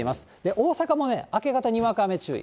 大阪も明け方、にわか雨注意。